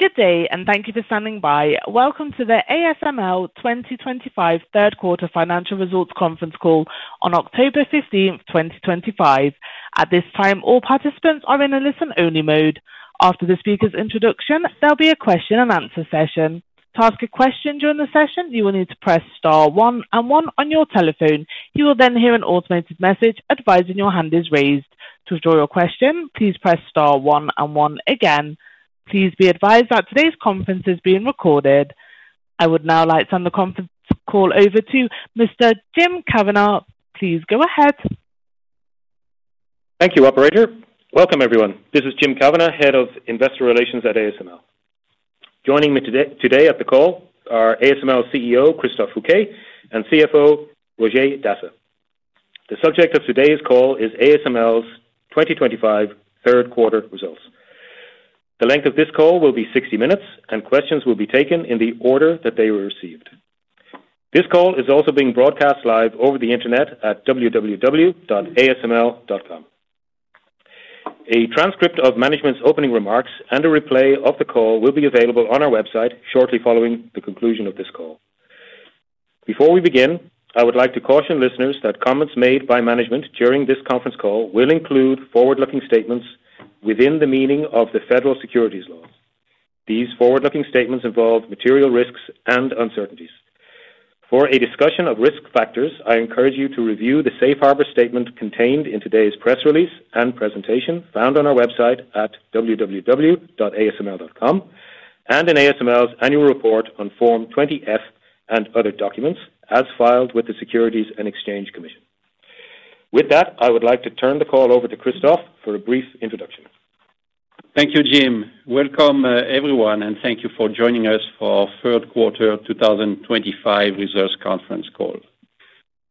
Good day, and thank you for standing by. Welcome to the ASML 2025 third quarter financial results conference call on October 15, 2025. At this time, all participants are in a listen-only mode. After the speaker's introduction, there will be a question and answer session. To ask a question during the session, you will need to press star one and one on your telephone. You will then hear an automated message advising your hand is raised. To withdraw your question, please press star one and one again. Please be advised that today's conference is being recorded. I would now like to turn the conference call over to Mr. Jim Kavanagh. Please go ahead. Thank you, operator. Welcome, everyone. This is Jim Kavanagh, Head of Investor Relations at ASML. Joining me today at the call are ASML CEO, Christophe Fouquet, and CFO, Roger Dassen. The subject of today's call is ASML's 2025 third quarter results. The length of this call will be 60 minutes, and questions will be taken in the order that they were received. This call is also being broadcast live over the internet at www.asml.com. A transcript of management's opening remarks and a replay of the call will be available on our website shortly following the conclusion of this call. Before we begin, I would like to caution listeners that comments made by management during this conference call will include forward-looking statements within the meaning of the federal securities laws. These forward-looking statements involve material risks and uncertainties. For a discussion of risk factors, I encourage you to review the safe harbor statement contained in today's press release and presentation found on our website at www.asml.com and in ASML's annual report on Form 20-F and other documents as filed with the Securities and Exchange Commission. With that, I would like to turn the call over to Christophe for a brief introduction. Thank you, Jim. Welcome, everyone, and thank you for joining us for our third quarter 2025 results conference call.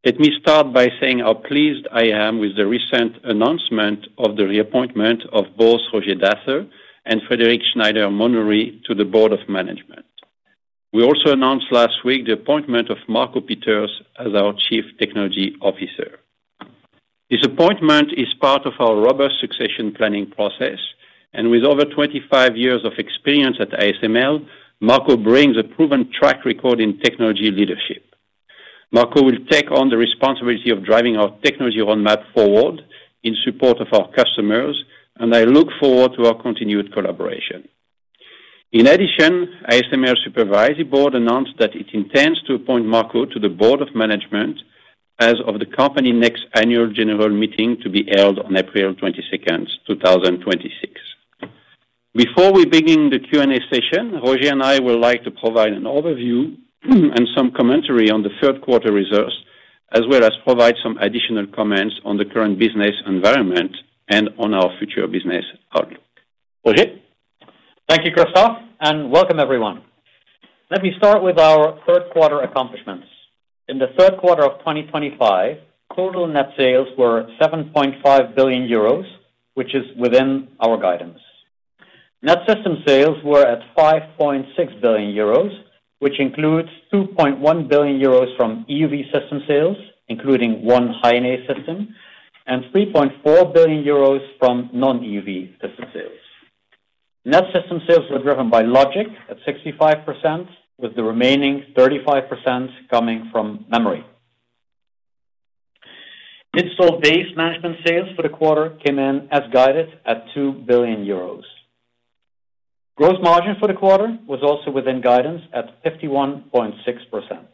Let me start by saying how pleased I am with the recent announcement of the reappointment of Roger Dassen and Frédéric Schneider-Maunoury to the board of management. We also announced last week the appointment of Marco Pieters as our Chief Technology Officer. This appointment is part of our robust succession planning process, and with over 25 years of experience at ASML, Marco brings a proven track record in technology leadership. Marco will take on the responsibility of driving our technology roadmap forward in support of our customers, and I look forward to our continued collaboration. In addition, ASML's supervisory board announced that it intends to appoint Marco to the board of management as of the company's next annual general meeting to be held on April 22nd, 2026. Before we begin the Q&A session, Roger and I would like to provide an overview and some commentary on the third quarter results, as well as provide some additional comments on the current business environment and on our future business outlook. Roger? Thank you, Christophe, and welcome, everyone. Let me start with our third quarter accomplishments. In the third quarter of 2025, total net sales were 7.5 billion euros, which is within our guidance. Net system sales were at 5.6 billion euros, which includes 2.1 billion euros from EUV system sales, including one High NA system, and 3.4 billion euros from non-EUV system sales. Net system sales were driven by logic at 65%, with the remaining 35% coming from memory. Installed base management sales for the quarter came in as guided at 2 billion euros. Gross margin for the quarter was also within guidance at 51.6%.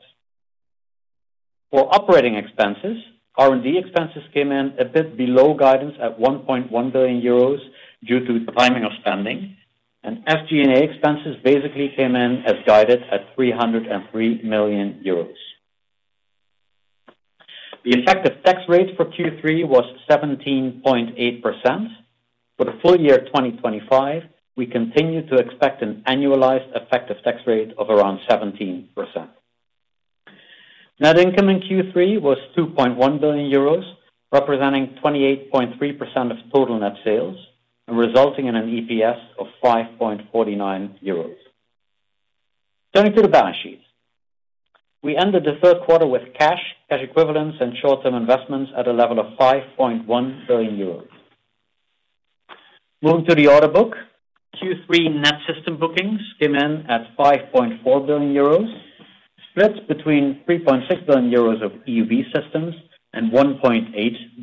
For operating expenses, R&D expenses came in a bit below guidance at 1.1 billion euros due to the timing of spending, and FG&A expenses basically came in as guided at 303 million euros. The effective tax rate for Q3 was 17.8%. For the full year 2025, we continue to expect an annualized effective tax rate of around 17%. Net income in Q3 was 2.1 billion euros, representing 28.3% of total net sales and resulting in an EPS of 5.49 euros. Turning to the balance sheet, we ended the third quarter with cash, cash equivalents, and short-term investments at a level of 5.1 billion euros. Moving to the order book, Q3 net system bookings came in at 5.4 billion euros, split between 3.6 billion euros of EUV systems and 1.8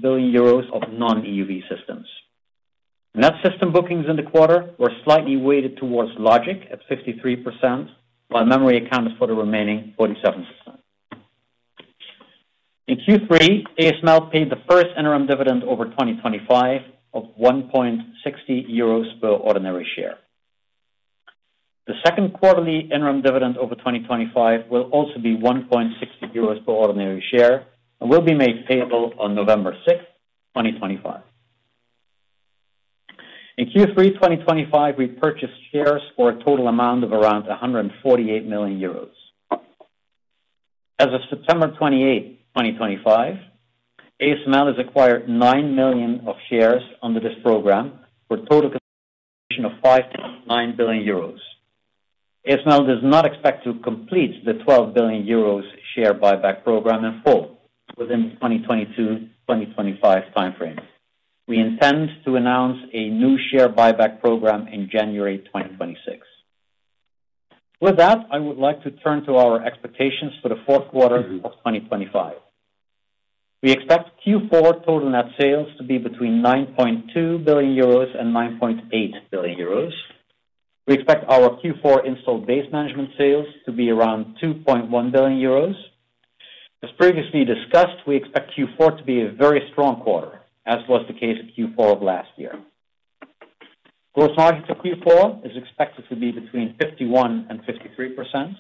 billion euros of non-EUV systems. Net system bookings in the quarter were slightly weighted towards logic at 53%, while memory accounted for the remaining 47%. In Q3, ASML paid the first interim dividend over 2025 of 1.60 euros per ordinary share. The second quarterly interim dividend over 2025 will also be 1.60 euros per ordinary share and will be made payable on November 6th, 2025. In Q3 2025, we purchased shares for a total amount of around 148 million euros. As of September 28th, 2025, ASML has acquired 9 million shares under this program for a total consolidation of 5.9 billion euros. ASML does not expect to complete the 12 billion euros share buyback program in full within the 2022-2025 timeframe. We intend to announce a new share buyback program in January 2026. With that, I would like to turn to our expectations for the fourth quarter of 2025. We expect Q4 total net sales to be between 9.2 billion euros and 9.8 billion euros. We expect our Q4 installed base management sales to be around 2.1 billion euros. As previously discussed, we expect Q4 to be a very strong quarter, as was the case at Q4 of last year. Gross margin for Q4 is expected to be between 51% and 53%.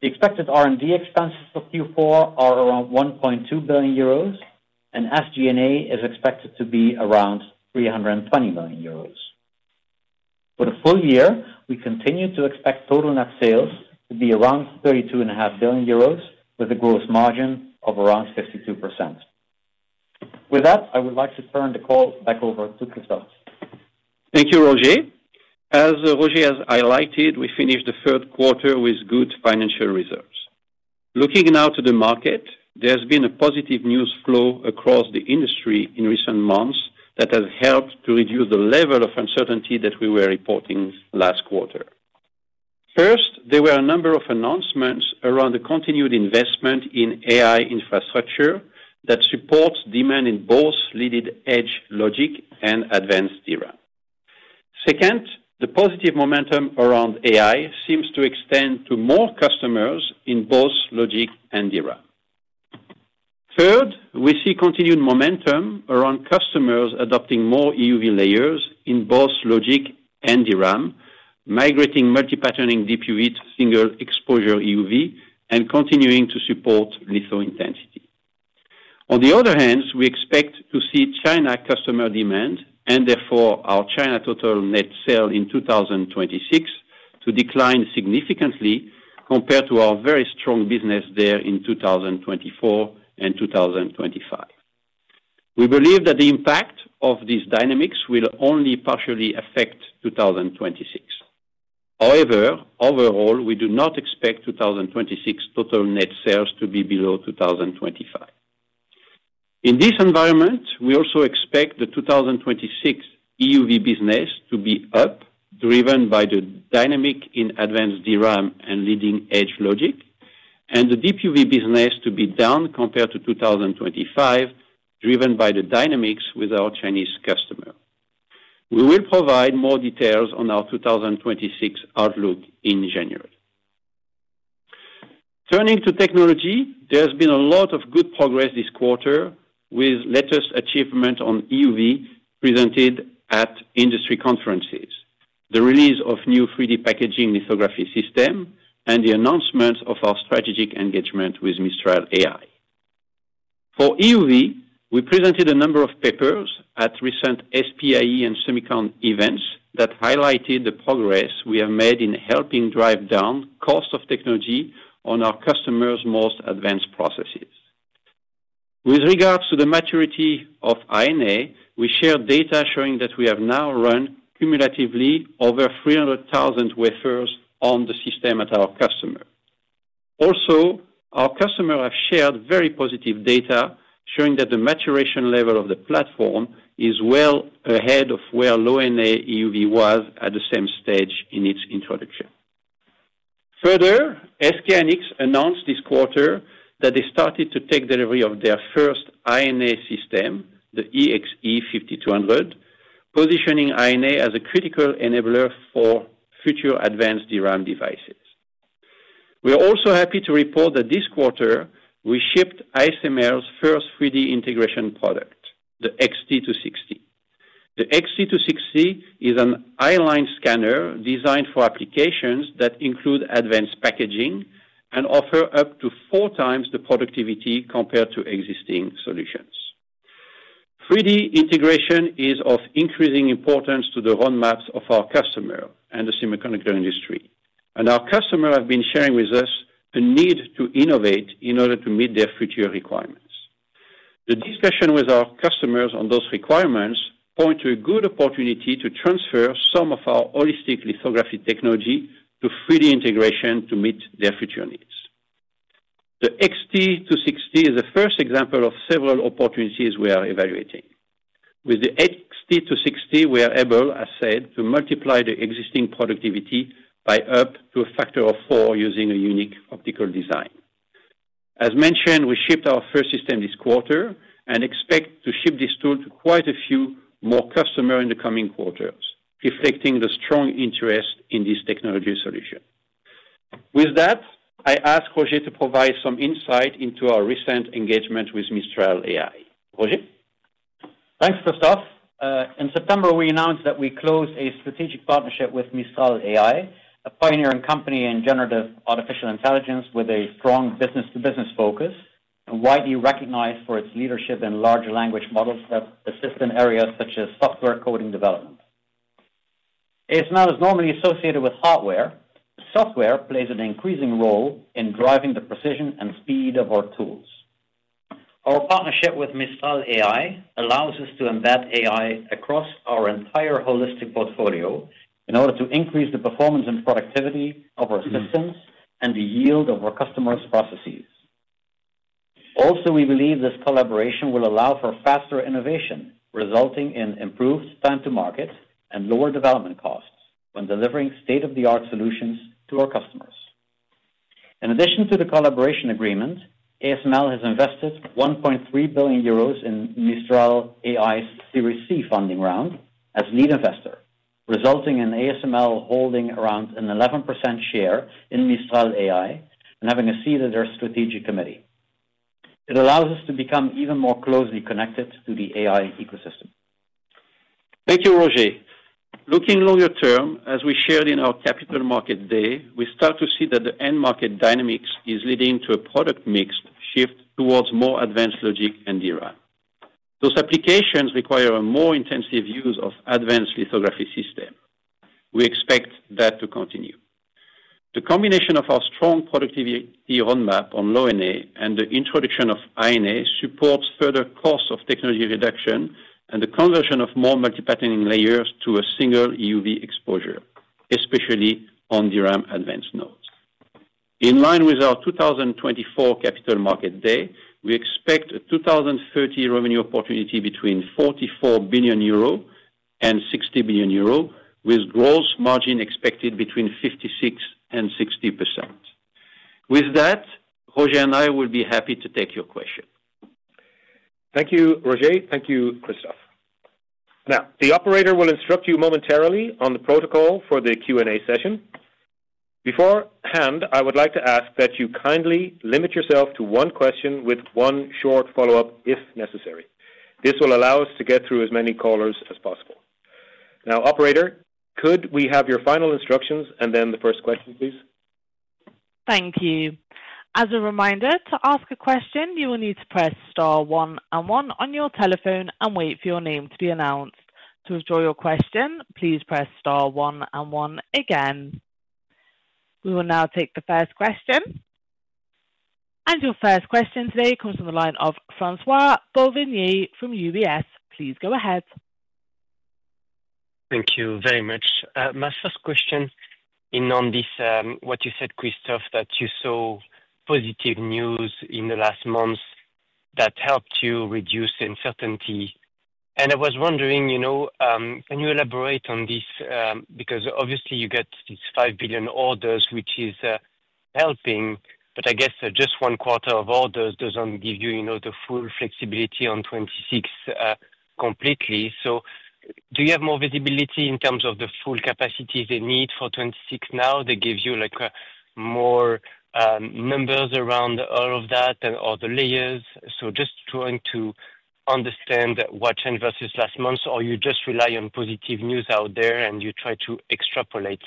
The expected R&D expenses for Q4 are around 1.2 billion euros, and FG&A is expected to be around 320 million euros. For the full year, we continue to expect total net sales to be around 32.5 billion euros, with a gross margin of around 52%. With that, I would like to turn the call back over to Christophe. Thank you, Roger. As Roger has highlighted, we finished the third quarter with good financial results. Looking now to the market, there's been a positive news flow across the industry in recent months that has helped to reduce the level of uncertainty that we were reporting last quarter. First, there were a number of announcements around the continued investment in AI infrastructure that supports demand in both leading edge logic and advanced DRAM. Second, the positive momentum around AI seems to extend to more customers in both logic and DRAM. Third, we see continued momentum around customers adopting more EUV layers in both logic and DRAM, migrating multi-patterning DUV to single exposure EUV, and continuing to support lithography intensity. On the other hand, we expect to see China customer demand, and therefore our China total net sales in 2026, to decline significantly compared to our very strong business there in 2024 and 2025. We believe that the impact of these dynamics will only partially affect 2026. However, overall, we do not expect 2026 total net sales to be below 2025. In this environment, we also expect the 2026 EUV business to be up, driven by the dynamic in advanced DRAM and leading edge logic, and the DUV business to be down compared to 2025, driven by the dynamics with our Chinese customer. We will provide more details on our 2026 outlook in January. Turning to technology, there's been a lot of good progress this quarter with the latest achievement on EUV presented at industry conferences, the release of new 3D packaging lithography system, and the announcement of our strategic engagement with Mistral AI. For EUV, we presented a number of papers at recent SPIE and SEMICON events that highlighted the progress we have made in helping drive down the cost of technology on our customers' most advanced processes. With regards to the maturity of High NA, we shared data showing that we have now run cumulatively over 300,000 wafers on the system at our customer. Also, our customers have shared very positive data showing that the maturation level of the platform is well ahead of where low NA EUV was at the same stage in its introduction. Further, SK Hynix announced this quarter that they started to take delivery of their first High NA system, the EXE:5200, positioning High NA as a critical enabler for future advanced DRAM devices. We are also happy to report that this quarter we shipped ASML's first 3D integration product, the XT260. The XT260 is an i-line scanner designed for applications that include advanced packaging and offer up to four times the productivity compared to existing solutions. 3D integration is of increasing importance to the roadmaps of our customer and the semiconductor industry, and our customers have been sharing with us a need to innovate in order to meet their future requirements. The discussion with our customers on those requirements points to a good opportunity to transfer some of our holistic lithography technology to 3D integration to meet their future needs. The XT260 is the first example of several opportunities we are evaluating. With the XT260, we are able, as said, to multiply the existing productivity by up to a factor of four using a unique optical design. As mentioned, we shipped our first system this quarter and expect to ship this tool to quite a few more customers in the coming quarters, reflecting the strong interest in this technology solution. With that, I ask Roger to provide some insight into our recent engagement with Mistral AI. Roger? Thanks, Christophe. In September, we announced that we closed a strategic partnership with Mistral AI, a pioneering company in generative artificial intelligence with a strong business-to-business focus and widely recognized for its leadership in large language models that assist in areas such as software coding development. ASML is normally associated with hardware. Software plays an increasing role in driving the precision and speed of our tools. Our partnership with Mistral AI allows us to embed AI across our entire holistic portfolio in order to increase the performance and productivity of our systems and the yield of our customers' processes. Also, we believe this collaboration will allow for faster innovation, resulting in improved time to market and lower development costs when delivering state-of-the-art solutions to our customers. In addition to the collaboration agreement, ASML has invested 1.3 billion euros in Mistral AI's Series C funding round as lead investor, resulting in ASML holding around an 11% share in Mistral AI and having a seat at their strategic committee. It allows us to become even more closely connected to the AI ecosystem. Thank you, Roger. Looking longer term, as we shared in our capital market day, we start to see that the end market dynamics are leading to a product mix shift towards more advanced logic and DRAM. Those applications require a more intensive use of advanced lithography systems. We expect that to continue. The combination of our strong productivity roadmap on low NA and the introduction of INA supports further costs of technology reduction and the conversion of more multi-patterning layers to a single EUV exposure, especially on DRAM advanced nodes. In line with our 2024 capital market day, we expect a 2030 revenue opportunity between 44 billion euro and 60 billion euro, with gross margin expected between 56% and 60%. With that, Roger and I will be happy to take your question. Thank you, Roger. Thank you, Christophe. Now, the operator will instruct you momentarily on the protocol for the Q&A session. Beforehand, I would like to ask that you kindly limit yourself to one question with one short follow-up if necessary. This will allow us to get through as many callers as possible. Now, operator, could we have your final instructions and then the first question, please? Thank you. As a reminder, to ask a question, you will need to press star one and one on your telephone and wait for your name to be announced. To withdraw your question, please press star one and one again. We will now take the first question. Your first question today comes from the line of François Bouvignies from UBS. Please go ahead. Thank you very much. My first question is on this, what you said, Christophe, that you saw positive news in the last months that helped you reduce the uncertainty. I was wondering, can you elaborate on this? Obviously, you get these $5 billion orders, which is helping, but I guess just one quarter of orders doesn't give you the full flexibility on 2026 completely. Do you have more visibility in terms of the full capacities they need for 2026 now? Do they give you more numbers around all of that or the layers? I'm just trying to understand what changed versus last month, or you just rely on positive news out there and you try to extrapolate,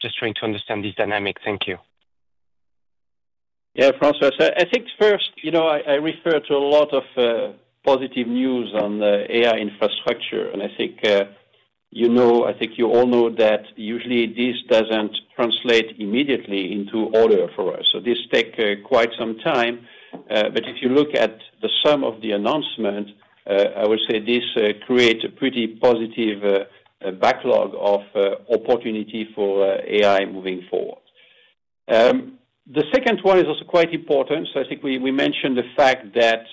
just trying to understand these dynamics. Thank you. Yeah, François. I think first, I refer to a lot of positive news on AI infrastructure. I think you all know that usually this doesn't translate immediately into orders for us. This takes quite some time. If you look at the sum of the announcement, I would say this creates a pretty positive backlog of opportunity for AI moving forward. The second one is also quite important. I think we mentioned the fact that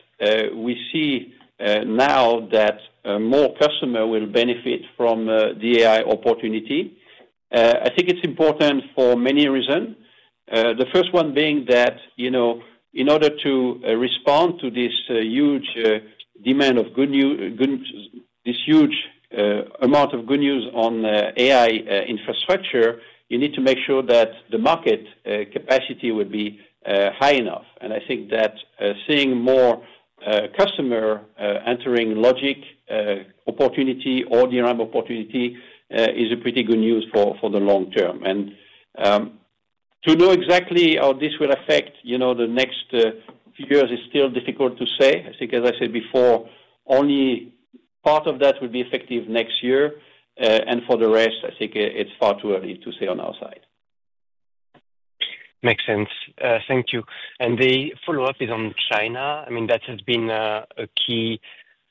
we see now that more customers will benefit from the AI opportunity. I think it's important for many reasons. The first one being that, in order to respond to this huge demand of good news, this huge amount of good news on AI infrastructure, you need to make sure that the market capacity will be high enough. I think that seeing more customers entering logic opportunity or DRAM opportunity is pretty good news for the long term. To know exactly how this will affect the next few years is still difficult to say. I think, as I said before, only part of that will be effective next year. For the rest, I think it's far too early to say on our side. Makes sense. Thank you. The follow-up is on China. I mean, that has been a key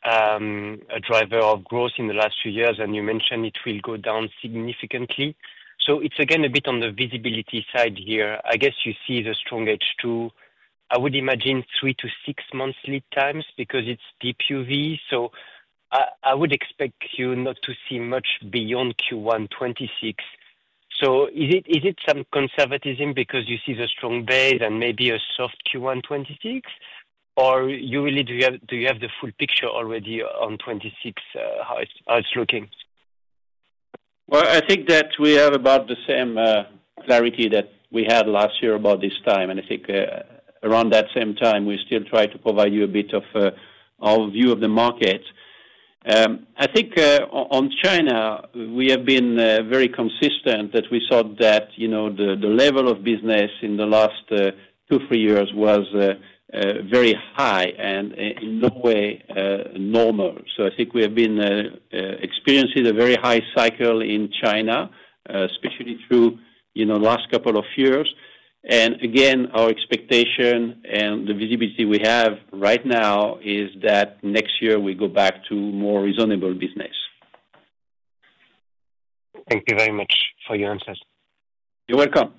driver of growth in the last few years, and you mentioned it will go down significantly. It's again a bit on the visibility side here. I guess you see the strong edge too. I would imagine three to six months lead times because it's DUV. I would expect you not to see much beyond Q1 2026. Is it some conservatism because you see the strong base and maybe a soft Q1 2026, or do you really have the full picture already on 2026, how it's looking? I think that we have about the same clarity that we had last year about this time. I think around that same time, we still try to provide you a bit of our view of the market. I think on China, we have been very consistent that we thought that, you know, the level of business in the last two, three years was very high and in no way normal. I think we have been experiencing a very high cycle in China, especially through the last couple of years. Again, our expectation and the visibility we have right now is that next year we go back to more reasonable business. Thank you very much for your answers. You're welcome.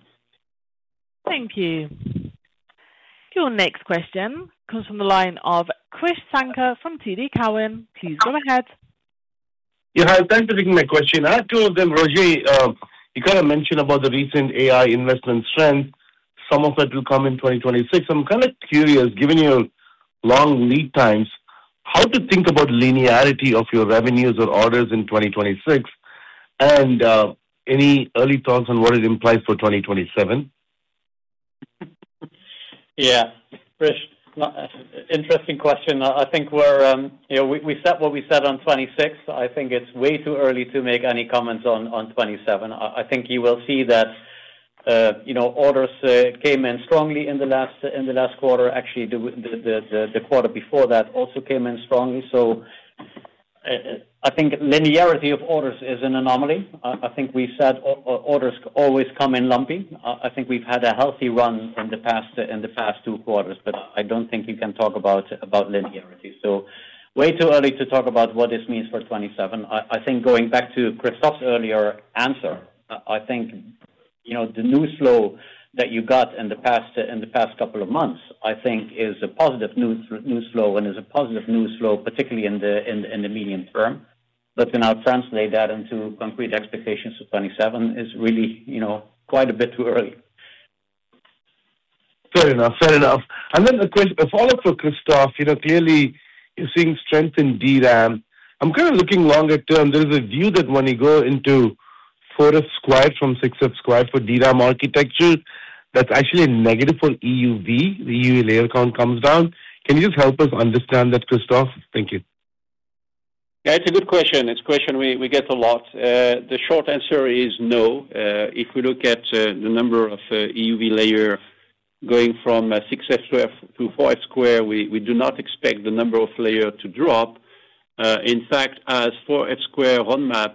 Thank you. Your next question comes from the line of Krish Sankar from TD Cowen. Please go ahead. Yeah, I was kind of thinking my question. I have two of them. Roger, you kind of mentioned about the recent AI investment strength. Some of it will come in 2026. I'm kind of curious, given your long lead times, how to think about linearity of your revenues or orders in 2026? Any early thoughts on what it implies for 2027? Yeah, Krish, interesting question. I think we're, you know, we set what we set on 2026. I think it's way too early to make any comments on 2027. You will see that, you know, orders came in strongly in the last quarter. Actually, the quarter before that also came in strongly. I think linearity of orders is an anomaly. We said orders always come in lumpy. We've had a healthy run in the past two quarters, but I don't think you can talk about linearity. It's way too early to talk about what this means for 2027. Going back to Christophe's earlier answer, the news flow that you got in the past couple of months is a positive news flow and is a positive news flow, particularly in the medium term. To now translate that into concrete expectations for 2027 is really quite a bit too early. Fair enough. Fair enough. A follow-up for Christophe. You know, clearly, you're seeing strength in DRAM. I'm kind of looking longer term. There's a view that when you go into 4F sq from 6F sq for DRAM architecture, that's actually a negative for EUV. The EUV layer count comes down. Can you just help us understand that, Christophe? Thank you. Yeah, it's a good question. It's a question we get a lot. The short answer is no. If we look at the number of EUV layers going from 6F sq to 4F sq, we do not expect the number of layers to drop. In fact, as 4F sq roadmap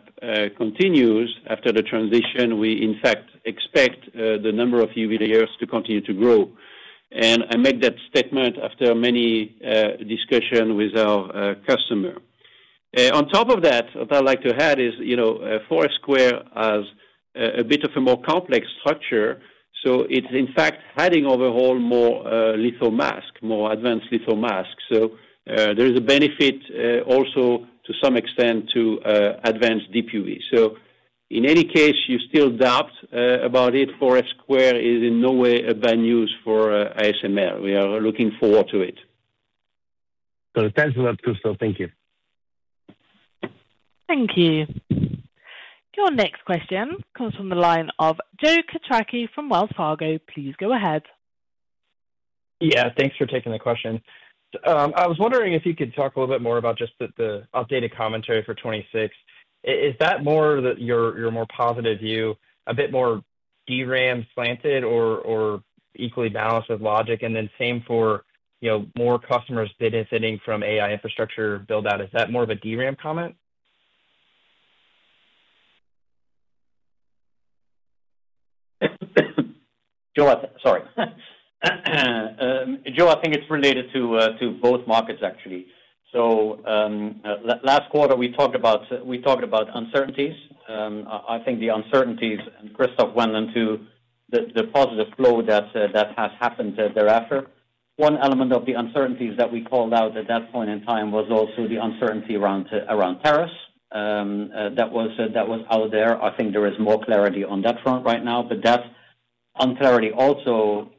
continues after the transition, we, in fact, expect the number of EUV layers to continue to grow. I make that statement after many discussions with our customers. On top of that, what I'd like to add is, you know, 4F sq has a bit of a more complex structure. It's, in fact, heading overall more litho mask, more advanced litho mask. There is a benefit also to some extent to advanced DUV. In any case, if you still doubt about it, 4F sq is in no way bad news for ASML. We are looking forward to it. Got a sense of that, Christophe. Thank you. Thank you. Your next question comes from the line of Joe Quatrochi from Wells Fargo. Please go ahead. Yeah, thanks for taking the question. I was wondering if you could talk a little bit more about just the updated commentary for 2026. Is that more that your more positive view, a bit more DRAM slanted or equally balanced with logic? Then same for, you know, more customers benefiting from AI infrastructure build-out. Is that more of a DRAM comment? Joe, I think it's related to both markets, actually. Last quarter, we talked about uncertainties. I think the uncertainties, and Christophe went into the positive flow that has happened thereafter. One element of the uncertainties that we called out at that point in time was also the uncertainty around tariffs. That was out there. I think there is more clarity on that front right now, but that unclarity also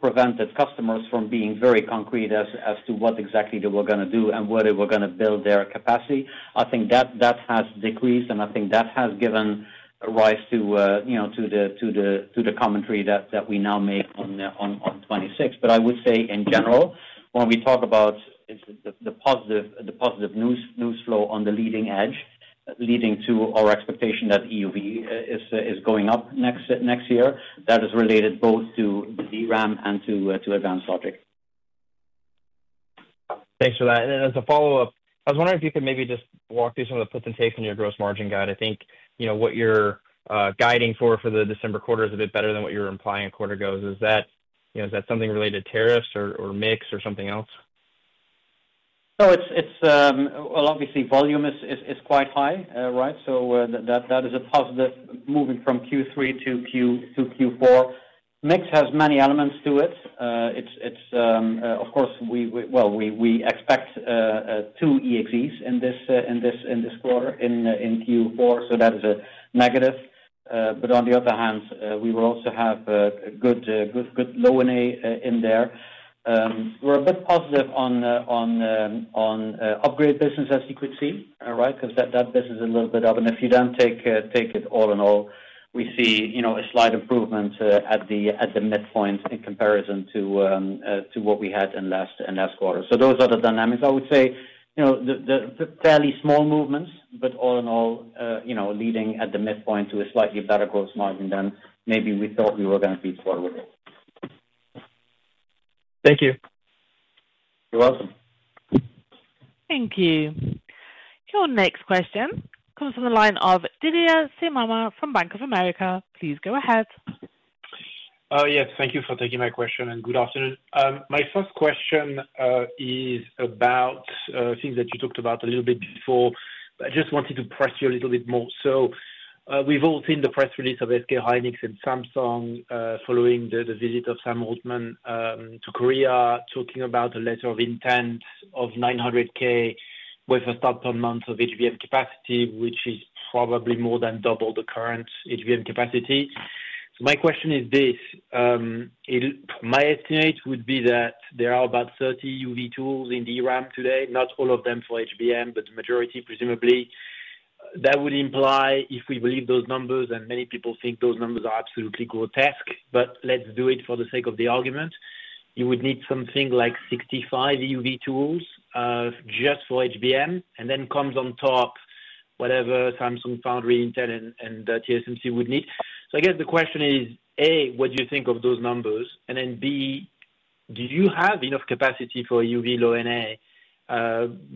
prevented customers from being very concrete as to what exactly they were going to do and where they were going to build their capacity. I think that has decreased, and I think that has given rise to the commentary that we now make on 2026. I would say in general, when we talk about the positive news flow on the leading edge, leading to our expectation that EUV is going up next year, that is related both to the DRAM and to advanced logic. Thanks for that. As a follow-up, I was wondering if you could maybe just walk through some of the puts and takes in your gross margin guide. I think what you're guiding for for the December quarter is a bit better than what you were implying a quarter ago. Is that something related to tariffs or mix or something else? Obviously, volume is quite high, right? That is a positive moving from Q3 to Q4. Mix has many elements to it. It's, of course, we expect two [EXEs] in this quarter in Q4, so that is a negative. On the other hand, we will also have a good low NA in there. We're a bit positive on upgrade business, as you could see, right? That business is a little bit up. If you then take it all in all, we see a slight improvement at the midpoint in comparison to what we had in last quarter. Those are the dynamics. I would say the fairly small movements, but all in all, leading at the midpoint to a slightly better gross margin than maybe we thought we were going to be forward. Thank you. You're welcome. Thank you. Your next question comes from the line of Didier Scemama from Bank of America. Please go ahead. Oh, yes. Thank you for taking my question and good afternoon. My first question is about things that you talked about a little bit before, but I just wanted to press you a little bit more. We've all seen the press release of SK Hynix and Samsung, following the visit of Sam Altman to Korea, talking about a letter of intent of 900,000 with a start per month of HBM capacity, which is probably more than double the current HBM capacity. My question is this. My estimate would be that there are about 30 EUV tools in DRAM today, not all of them for HBM, but the majority, presumably. That would imply if we believe those numbers, and many people think those numbers are absolutely grotesque, but let's do it for the sake of the argument. You would need something like 65 EUV tools just for HBM, and then comes on top whatever Samsung foundry intent and TSMC would need. I guess the question is, A, what do you think of those numbers? B, do you have enough capacity for EUV low NA,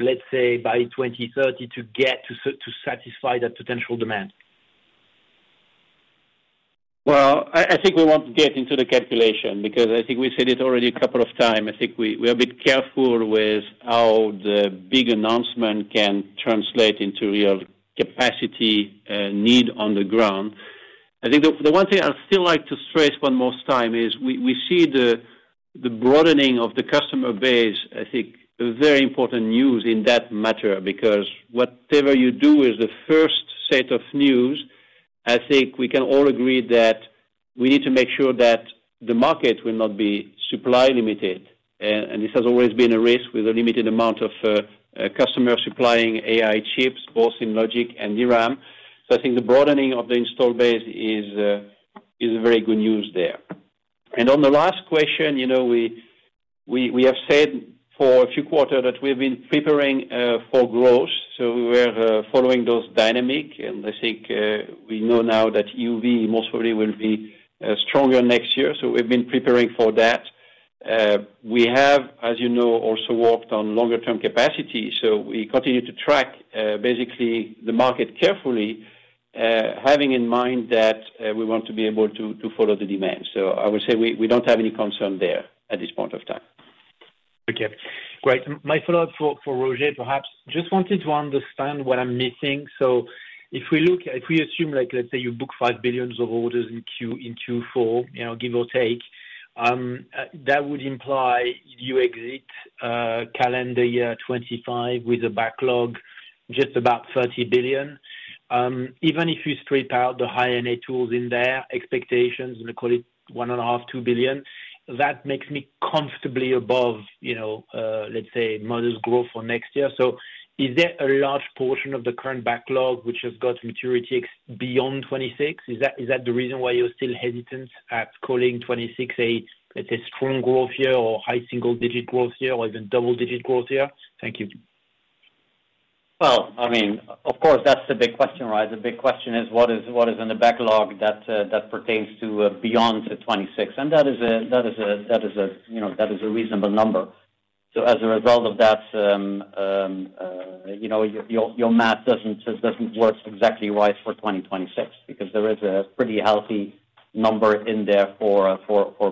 let's say, by 2030 to get to satisfy that potential demand? I think we won't get into the calculation because I think we said it already a couple of times. We are a bit careful with how the big announcement can translate into real capacity need on the ground. The one thing I'd still like to stress one more time is we see the broadening of the customer base, very important news in that matter because whatever you do is the first set of news. I think we can all agree that we need to make sure that the market will not be supply limited. This has always been a risk with a limited amount of customers supplying AI chips, both in logic and DRAM. The broadening of the install base is very good news there. On the last question, you know, we have said for a few quarters that we have been preparing for growth. We were following those dynamics, and I think we know now that EUV most probably will be stronger next year. We've been preparing for that. We have, as you know, also worked on longer-term capacity. We continue to track basically the market carefully, having in mind that we want to be able to follow the demand. I would say we don't have any concern there at this point of time. Okay. Great. My follow-up for Roger, perhaps, just wanted to understand what I'm missing. If we look, if we assume, like, let's say you book $5 billion of orders in Q4, you know, give or take, that would imply you exit calendar year 2025 with a backlog just about $30 billion. Even if you strip out the High NA tools in there, expectations, I'm going to call it $1.5 billion, $2 billion, that makes me comfortably above, you know, let's say, modest growth for next year. Is there a large portion of the current backlog which has got maturity beyond 2026? Is that the reason why you're still hesitant at calling 2026 a, let's say, strong growth year or high single-digit growth year or even double-digit growth year? Thank you. Of course, that's the big question, right? The big question is what is in the backlog that pertains to beyond 2026. That is a reasonable number. As a result of that, your math doesn't work exactly right for 2026 because there is a pretty healthy number in there for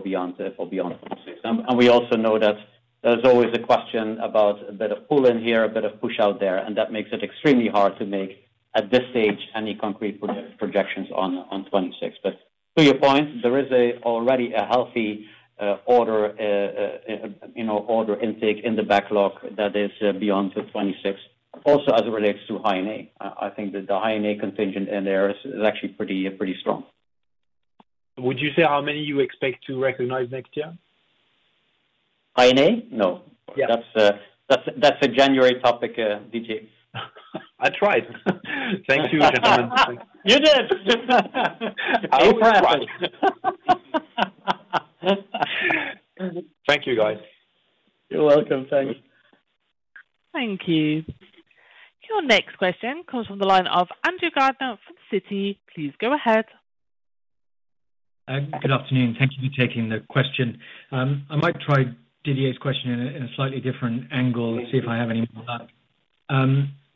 beyond 2026. We also know that there's always a question about a bit of pull in here, a bit of push out there, and that makes it extremely hard to make at this stage any concrete projections on 2026. To your point, there is already a healthy order intake in the backlog that is beyond 2026. Also, as it relates to High NA, I think that the High NA contingent in there is actually pretty strong. Would you say how many you expect to recognize next year? High NA? No, that's a January topic, Didier. Thank you, gentlemen. You did. Impressive. Thank you, guys. You're welcome. Thanks. Thank you. Your next question comes from the line of Andrew Gardiner from Citi. Please go ahead. Good afternoon. Thank you for taking the question. I might try Didier's question in a slightly different angle and see if I have any more luck.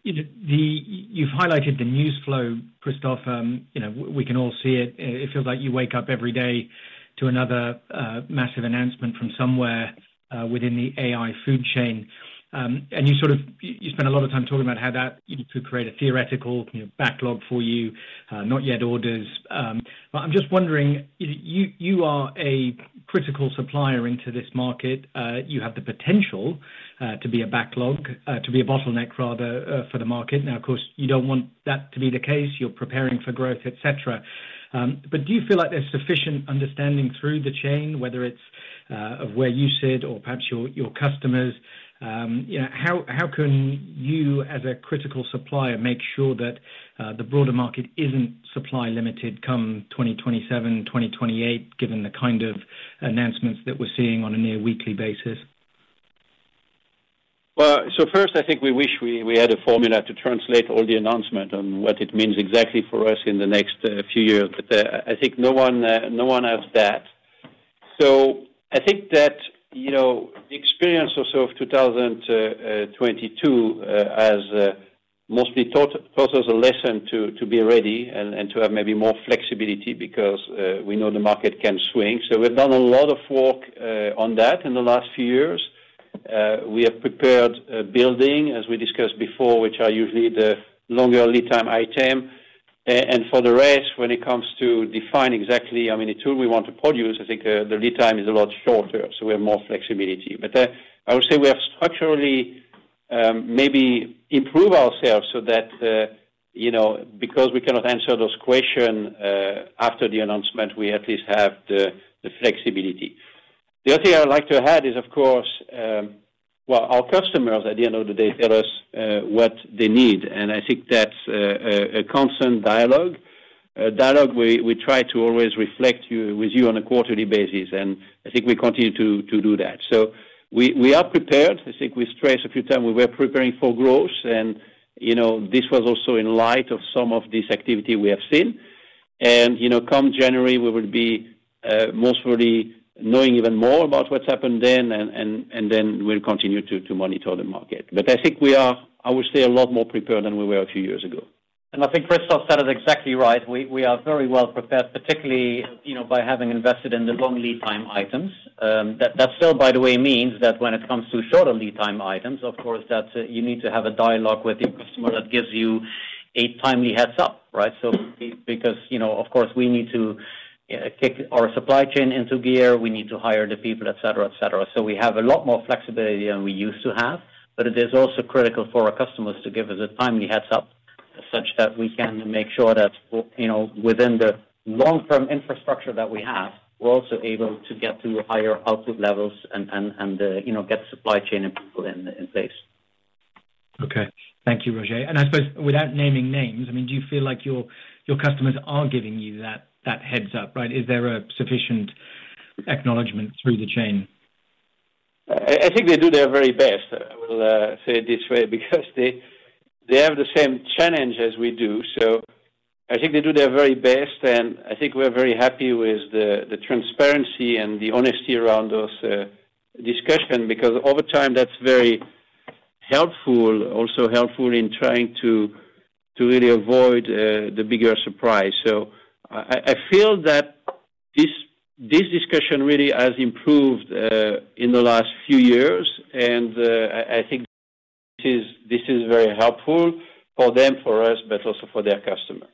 You've highlighted the news flow, Christophe. You know, we can all see it. It feels like you wake up every day to another massive announcement from somewhere within the AI food chain. You sort of spend a lot of time talking about how that could create a theoretical backlog for you, not yet orders. I'm just wondering, you are a critical supplier into this market. You have the potential to be a backlog, to be a bottleneck, rather, for the market. Of course, you don't want that to be the case. You're preparing for growth, etc. Do you feel like there's sufficient understanding through the chain, whether it's of where you sit or perhaps your customers? How can you, as a critical supplier, make sure that the broader market isn't supply limited come 2027, 2028, given the kind of announcements that we're seeing on a near-weekly basis? First, I think we wish we had a formula to translate all the announcements on what it means exactly for us in the next few years. I think no one has that. The experience also of 2022 has mostly taught us a lesson to be ready and to have maybe more flexibility because we know the market can swing. We've done a lot of work on that in the last few years. We have prepared a building, as we discussed before, which are usually the longer lead time items. For the rest, when it comes to defining exactly how many tools we want to produce, I think the lead time is a lot shorter, so we have more flexibility. I would say we have structurally maybe improved ourselves so that, because we cannot answer those questions after the announcement, we at least have the flexibility. The other thing I would like to add is, of course, our customers, at the end of the day, tell us what they need. I think that's a constant dialogue, a dialogue we try to always reflect with you on a quarterly basis. I think we continue to do that. We are prepared. I think we stressed a few times we were preparing for growth. This was also in light of some of this activity we have seen. Come January, we will be most probably knowing even more about what's happened then. We will continue to monitor the market. I think we are, I would say, a lot more prepared than we were a few years ago. I think Christophe said it exactly right. We are very well prepared, particularly, you know, by having invested in the long lead time items. That still, by the way, means that when it comes to shorter lead time items, of course, you need to have a dialogue with your customer that gives you a timely heads up, right? Because, you know, of course, we need to kick our supply chain into gear. We need to hire the people, etc., etc. We have a lot more flexibility than we used to have. It is also critical for our customers to give us a timely heads up such that we can make sure that, you know, within the long-term infrastructure that we have, we're also able to get to higher output levels and, you know, get supply chain and people in place. Thank you, Roger. I suppose without naming names, do you feel like your customers are giving you that heads up, right? Is there a sufficient acknowledgement through the chain? I think they do their very best. I will say it this way because they have the same challenge as we do. I think they do their very best, and I think we're very happy with the transparency and the honesty around those discussions because over time, that's very helpful, also helpful in trying to really avoid the bigger surprise. I feel that this discussion really has improved in the last few years, and I think this is very helpful for them, for us, but also for their customers.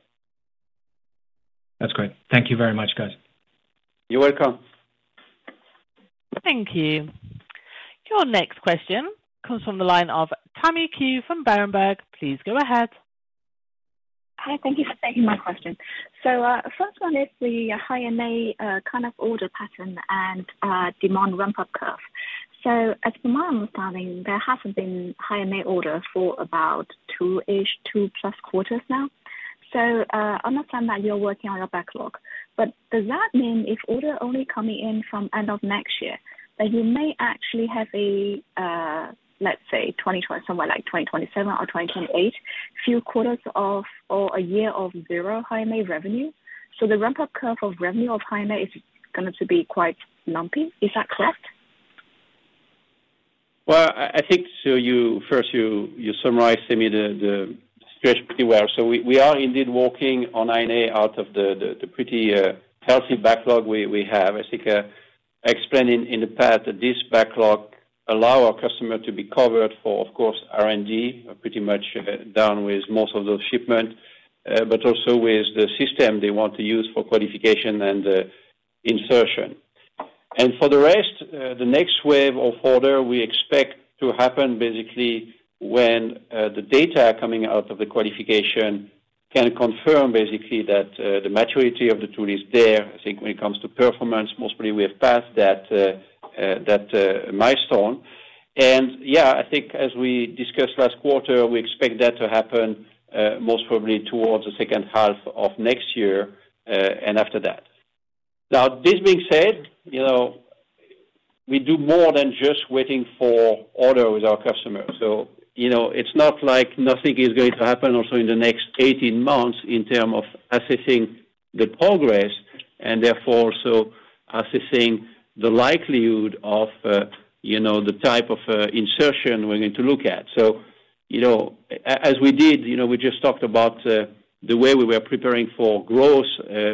That's great. Thank you very much, guys. You're welcome. Thank you. Your next question comes from the line of Tammy Qiu from Berenberg. Please go ahead. Hi. Thank you for taking my question. The first one is the High NA kind of order pattern and demand ramp-up curve. From my understanding, there hasn't been High NA orders for about two-ish, two-plus quarters now. I understand that you're working on your backlog. Does that mean if orders are only coming in from end of next year, that you may actually have, let's say, somewhere like 2027 or 2028, a few quarters of or a year of zero High NA revenue? The ramp-up curve of revenue of High NA is going to be quite lumpy. Is that correct? I think you summarized to me the situation pretty well. We are indeed working on NA out of the pretty healthy backlog we have. I think I explained in the past that this backlog allows our customers to be covered for, of course, R&D, pretty much done with most of those shipments, but also with the system they want to use for qualification and the insertion. For the rest, the next wave of orders we expect to happen basically when the data coming out of the qualification can confirm that the maturity of the tool is there. I think when it comes to performance, most probably we have passed that milestone. As we discussed last quarter, we expect that to happen most probably towards the second half of next year and after that. This being said, we do more than just waiting for orders with our customers. It's not like nothing is going to happen also in the next 18 months in terms of assessing the progress and therefore also assessing the likelihood of the type of insertion we're going to look at. As we did, we just talked about the way we were preparing for growth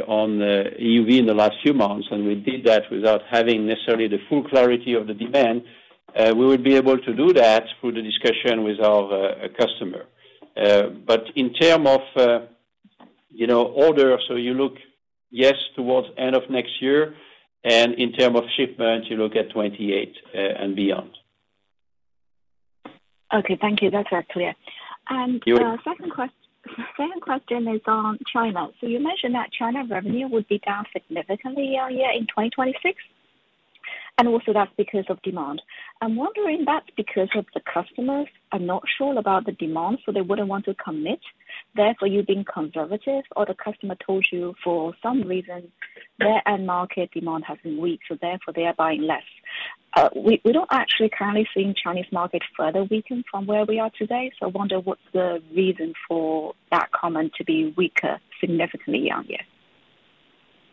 on EUV in the last few months. We did that without having necessarily the full clarity of the demand. We would be able to do that through the discussion with our customer. In terms of orders, you look, yes, towards the end of next year. In terms of shipments, you look at 2028 and beyond. Okay, thank you. That's very clear. You're welcome. Now, the second question is on China. You mentioned that China revenue would be down significantly in 2026, and that's because of demand. I'm wondering if that's because the customers are not sure about the demand, so they wouldn't want to commit. Therefore, you've been conservative, or the customer told you for some reason their end market demand has been weak, so they're buying less. We don't actually currently see the Chinese market further weaken from where we are today. I wonder what's the reason for that comment to be weaker significantly on you?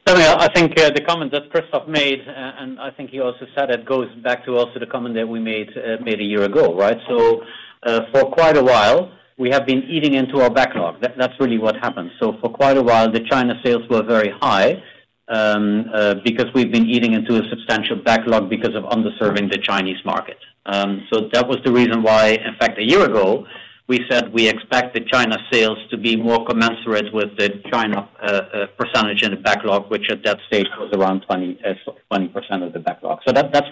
I mean, I think the comment that Christophe made, and I think he also said it goes back to also the comment that we made a year ago, right? For quite a while, we have been eating into our backlog. That's really what happened. For quite a while, the China sales were very high because we've been eating into a substantial backlog because of underserving the Chinese market. That was the reason why, in fact, a year ago, we said we expect the China sales to be more commensurate with the China percentage in the backlog, which at that stage was around 20% of the backlog. That's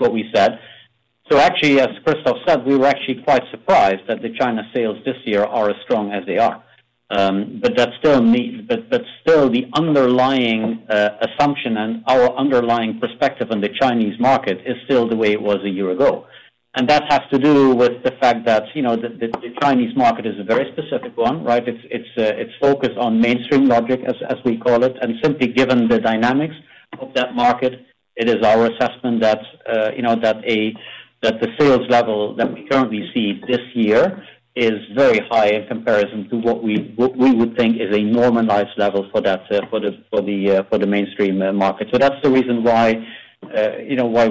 what we said. Actually, as Christophe said, we were quite surprised that the China sales this year are as strong as they are. That is still the underlying assumption, and our underlying perspective on the Chinese market is still the way it was a year ago. That has to do with the fact that the Chinese market is a very specific one, right? It's focused on mainstream logic, as we call it. Simply given the dynamics of that market, it is our assessment that the sales level that we currently see this year is very high in comparison to what we would think is a normalized level for the mainstream market. That is the reason why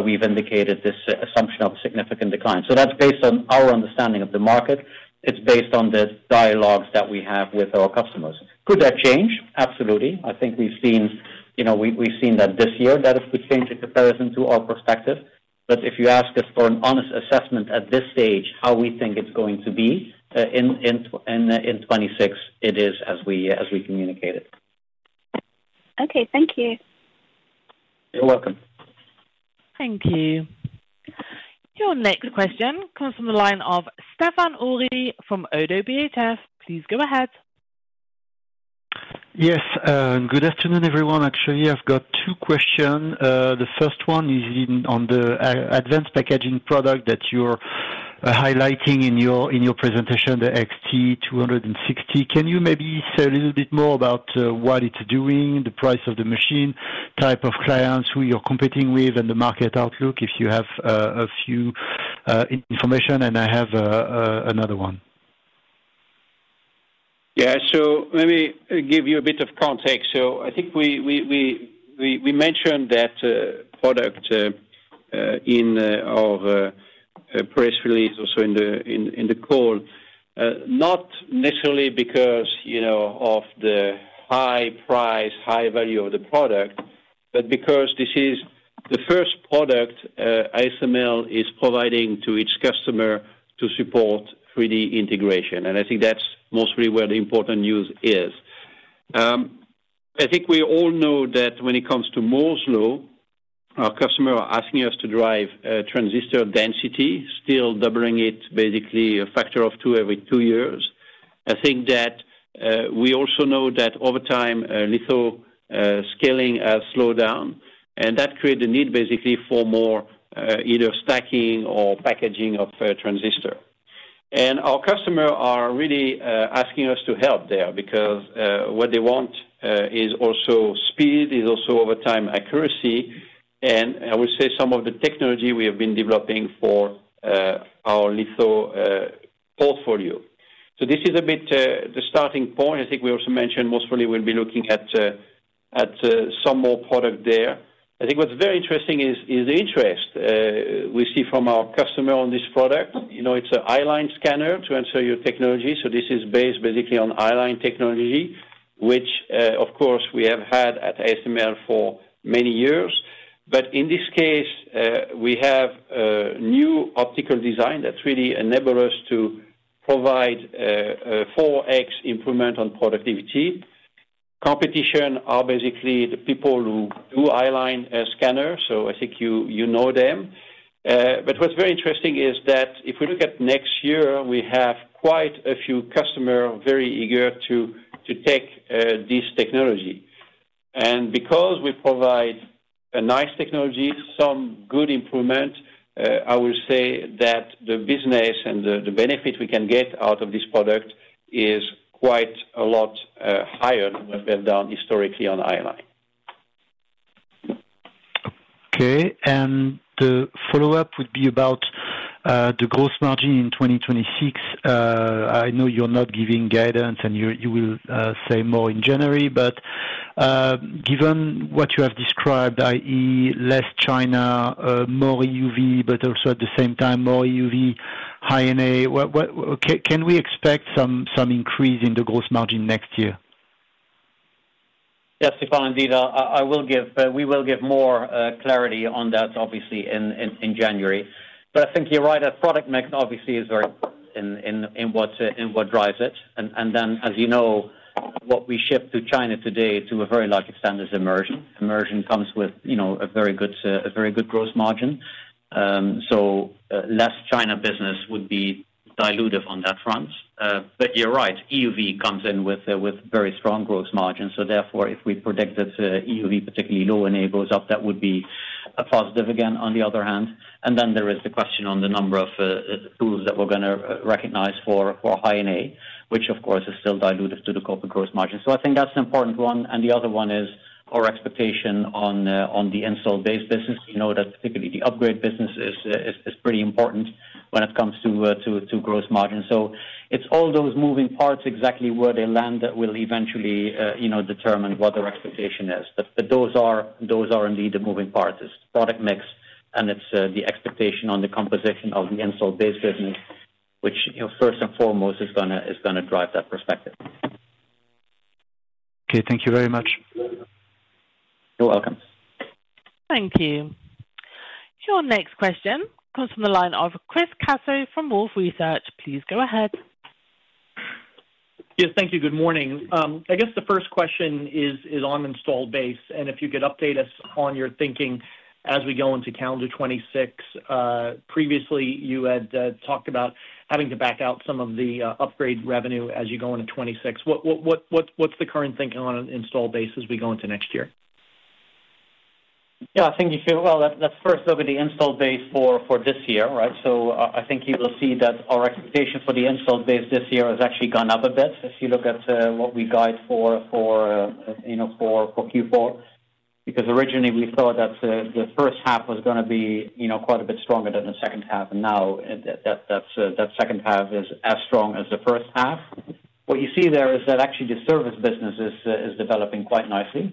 we've indicated this assumption of a significant decline. That is based on our understanding of the market. It's based on the dialogues that we have with our customers. Could that change? Absolutely. I think we've seen that this year that it could change in comparison to our perspective. If you ask us for an honest assessment at this stage, how we think it's going to be in 2026, it is as we communicated. Okay, thank you. You're welcome. Thank you. Your next question comes from the line of Stephane Houri from ODDO BHF. Please go ahead. Yes. Good afternoon, everyone. Actually, I've got two questions. The first one is on the advanced packaging product that you're highlighting in your presentation, the XT260. Can you maybe say a little bit more about what it's doing, the price of the machine, type of clients, who you're competing with, and the market outlook if you have a few information? I have another one. Yeah. Let me give you a bit of context. I think we mentioned that product in our press release, also in the call, not necessarily because of the high price, high value of the product, but because this is the first product ASML is providing to its customer to support 3D integration. I think that's mostly where the important news is. I think we all know that when it comes to Moore's Law, our customers are asking us to drive transistor density, still doubling it basically a factor of two every two years. I think that we also know that over time, litho scaling slows down. That creates a need basically for more either stacking or packaging of transistors. Our customers are really asking us to help there because what they want is also speed, is also over time accuracy, and I would say some of the technology we have been developing for our litho portfolio. This is a bit the starting point. I think we also mentioned most probably we'll be looking at some more product there. I think what's very interesting is the interest we see from our customers on this product. It's an iLine scanner to answer your technology. This is based basically on iLine technology, which, of course, we have had at ASML for many years. In this case, we have a new optical design that really enables us to provide a 4x improvement on productivity. Competition are basically the people who do i-line scanners. I think you know them. What's very interesting is that if we look at next year, we have quite a few customers very eager to take this technology. Because we provide a nice technology, some good improvement, I will say that the business and the benefit we can get out of this product is quite a lot higher than we have done historically on i-line. Okay. The follow-up would be about the gross margin in 2026. I know you're not giving guidance and you will say more in January, but given what you have described, i.e., less China, more EUV, but also at the same time, more EUV, High NA, can we expect some increase in the gross margin next year? Yes, Stephane, indeed. We will give more clarity on that, obviously, in January. I think you're right. Our product mix, obviously, is very important in what drives it. As you know, what we ship to China today to a very large extent is immersion. Immersion comes with a very good gross margin. Less China business would be diluted on that front. You're right, EUV comes in with very strong gross margins. Therefore, if we predict that EUV, particularly low NA, goes up, that would be a positive again, on the other hand. There is the question on the number of tools that we're going to recognize for High NA, which, of course, is still diluted to the corporate gross margin. I think that's an important one. The other one is our expectation on the installed base business. We know that typically the upgrade business is pretty important when it comes to gross margins. It's all those moving parts exactly where they land that will eventually, you know, determine what our expectation is. Those are indeed the moving parts. It's the product mix and it's the expectation on the composition of the installed base business, which, you know, first and foremost is going to drive that perspective. Okay, thank you very much. You're welcome. Thank you. Your next question comes from the line of Chris Caso from Wolfe Research. Please go ahead. Yes. Thank you. Good morning. I guess the first question is on installed base. If you could update us on your thinking as we go into calendar 2026. Previously, you had talked about having to back out some of the upgrade revenue as you go into 2026. What's the current thinking on installed base as we go into next year? I think you feel well, that's first over the installed base for this year, right? I think you will see that our expectation for the installed base this year has actually gone up a bit if you look at what we guide for, you know, for Q4. Originally, we thought that the first half was going to be, you know, quite a bit stronger than the second half. Now that the second half is as strong as the first half, what you see there is that actually the service business is developing quite nicely.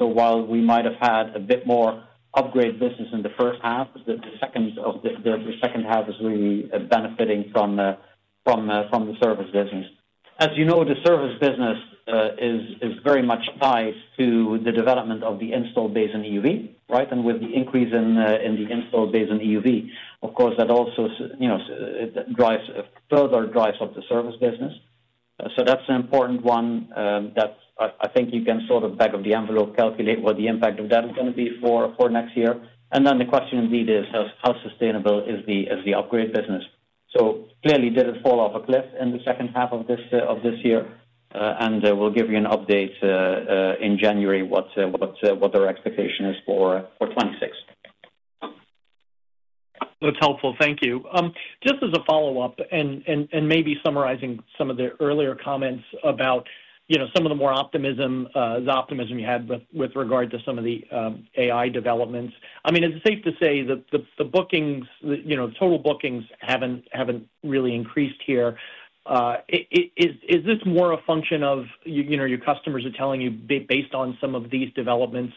While we might have had a bit more upgrade business in the first half, the second half is really benefiting from the service business. As you know, the service business is very much tied to the development of the installed base in EUV, right? With the increase in the installed base in EUV, of course, that also, you know, further drives up the service business. That's an important one that I think you can sort of back of the envelope calculate what the impact of that is going to be for next year. The question indeed is how sustainable is the upgrade business? Clearly, it didn't fall off a cliff in the second half of this year. We'll give you an update in January what our expectation is for 2026. That's helpful. Thank you. Just as a follow-up and maybe summarizing some of the earlier comments about, you know, some of the more optimism, the optimism you had with regard to some of the AI developments. I mean, is it safe to say that the bookings, you know, the total bookings haven't really increased here? Is this more a function of, you know, your customers are telling you based on some of these developments,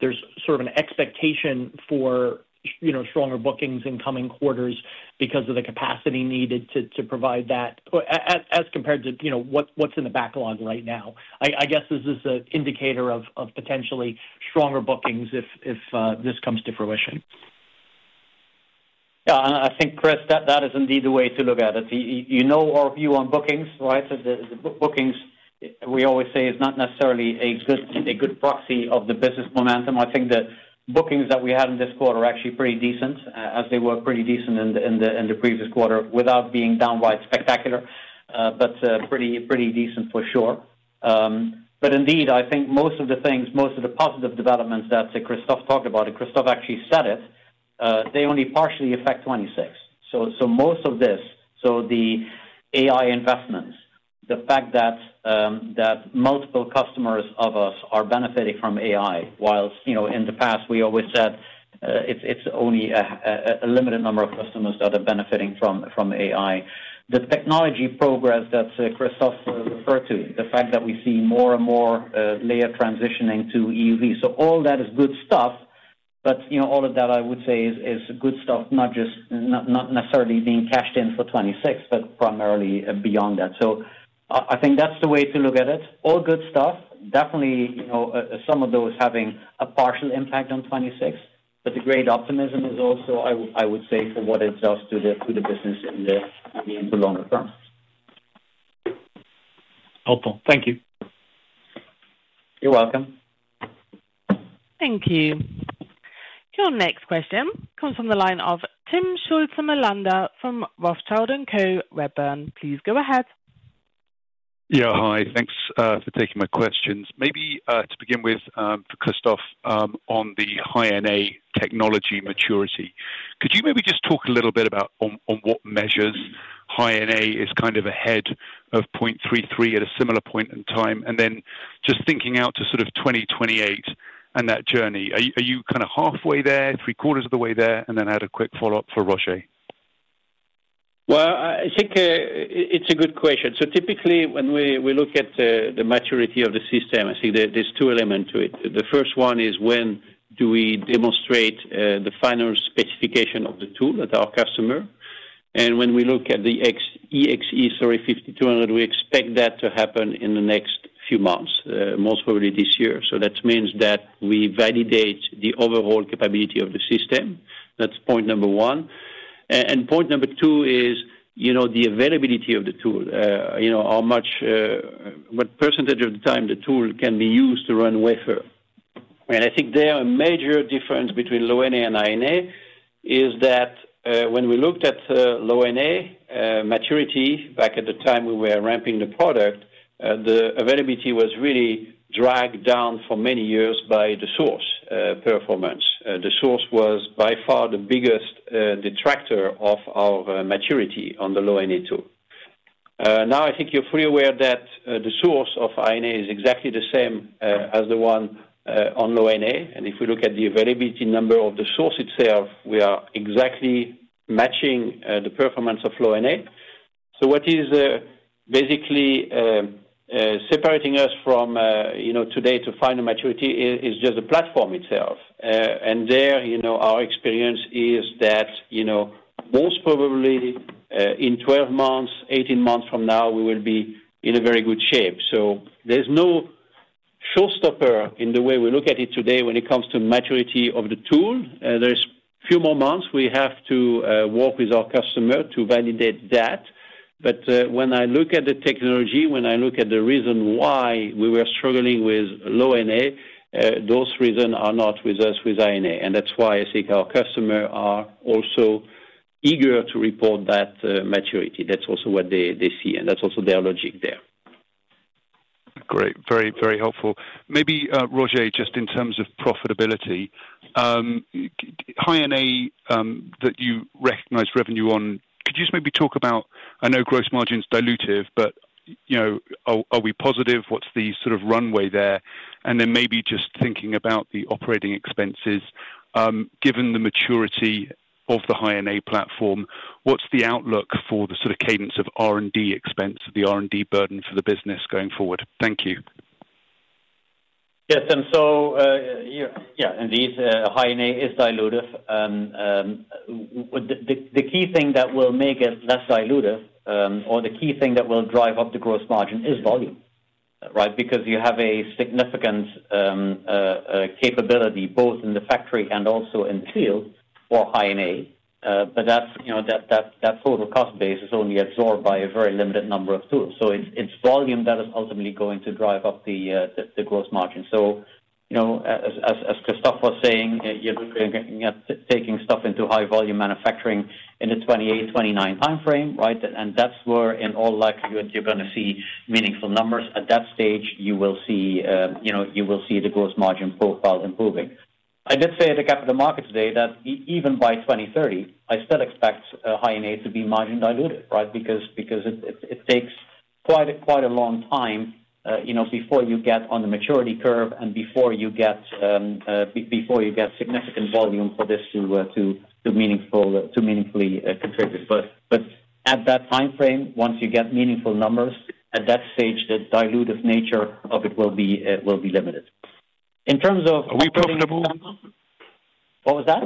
there's sort of an expectation for, you know, stronger bookings in coming quarters because of the capacity needed to provide that as compared to, you know, what's in the backlog right now? I guess this is an indicator of potentially stronger bookings if this comes to fruition. Yeah. I think, Chris, that is indeed the way to look at it. You know our view on bookings, right? The bookings, we always say, are not necessarily a good proxy of the business momentum. I think the bookings that we had in this quarter are actually pretty decent, as they were pretty decent in the previous quarter, without being downright spectacular, but pretty decent for sure. I think most of the things, most of the positive developments that Christophe talked about, and Christophe actually said it, only partially affect 2026. Most of this, the AI investments, the fact that multiple customers of us are benefiting from AI, whilst in the past, we always said it's only a limited number of customers that are benefiting from AI. The technology progress that Christophe referred to, the fact that we see more and more layer transitioning to EUV. All that is good stuff. All of that, I would say, is good stuff, not necessarily being cashed in for 2026, but primarily beyond that. I think that's the way to look at it. All good stuff. Definitely, some of those having a partial impact on 2026. The great optimism is also, I would say, for what it does to the business in the longer term. Helpful. Thank you. You're welcome. Thank you. Your next question comes from the line of Timm Schulze-Melander from Rothschild & Co. Redburn. Please go ahead. Yeah. Hi. Thanks for taking my questions. Maybe to begin with, for Christophe, on the High NA technology maturity, could you maybe just talk a little bit about on what measures High NA is kind of ahead of 0.33 at a similar point in time? Just thinking out to sort of 2028 and that journey, are you kind of halfway there, three-quarters of the way there, and then add a quick follow-up for Roger? I think it's a good question. Typically, when we look at the maturity of the system, I think there's two elements to it. The first one is when do we demonstrate the final specification of the tool at our customer? When we look at the EXE:5200, we expect that to happen in the next few months, most probably this year. That means that we validate the overall capability of the system. That's point number one. Point number two is, you know, the availability of the tool, you know, how much, what percentage of the time the tool can be used to run wafer. I think there a major difference between low NA and High NA is that when we looked at low NA maturity back at the time we were ramping the product, the availability was really dragged down for many years by the source performance. The source was by far the biggest detractor of our maturity on the low NA tool. Now, I think you're fully aware that the source of High NA is exactly the same as the one on low NA. If we look at the availability number of the source itself, we are exactly matching the performance of low NA. What is basically separating us from today to final maturity is just the platform itself. Our experience is that most probably in 12 months, 18 months from now, we will be in a very good shape. There's no showstopper in the way we look at it today when it comes to maturity of the tool. There's a few more months we have to work with our customer to validate that. When I look at the technology, when I look at the reason why we were struggling with low NA, those reasons are not with us with High NA. That's why I think our customers are also eager to report that maturity. That's also what they see. That's also their logic there. Great. Very, very helpful. Maybe, Roger, just in terms of profitability, High NA that you recognize revenue on, could you just maybe talk about, I know gross margin is dilutive, but you know, are we positive? What's the sort of runway there? Maybe just thinking about the operating expenses. Given the maturity of the High NA platform, what's the outlook for the sort of cadence of R&D expense, of the R&D burden for the business going forward? Thank you. Yes, indeed, High NA is dilutive. The key thing that will make it less dilutive, or the key thing that will drive up the gross margin is volume, right? You have a significant capability both in the factory and also in the field for High NA. That total cost base is only absorbed by a very limited number of tools. It is volume that is ultimately going to drive up the gross margin. As Christophe was saying, you're looking at taking stuff into high-volume manufacturing in the 2028, 2029 timeframe, right? In all likelihood, you're going to see meaningful numbers. At that stage, you will see the gross margin profile improving. I did say at the capital market today that even by 2030, I still expect High NA to be margin diluted, right? It takes quite a long time before you get on the maturity curve and before you get significant volume for this to meaningfully contribute. At that timeframe, once you get meaningful numbers, at that stage, the dilutive nature of it will be limited. In terms of. Are we profitable? What was that?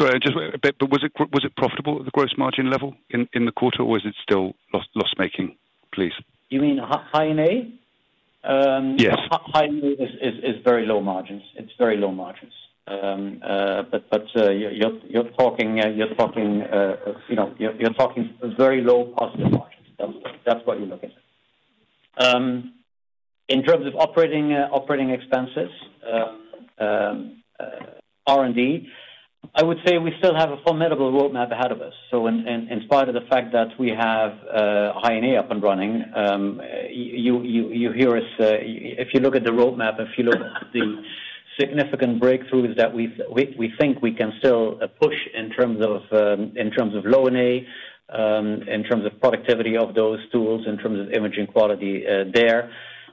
Was it profitable at the gross margin level in the quarter, or is it still loss-making, please? You mean High NA? Yes. High NA is very low margins. It's very low margins. You're talking very low positive margins. That's what you look at. In terms of operating expenses, R&D, I would say we still have a formidable roadmap ahead of us. In spite of the fact that we have High NA up and running, you hear us, if you look at the roadmap, if you look at the significant breakthroughs that we think we can still push in terms of low NA, in terms of productivity of those tools, in terms of imaging quality there,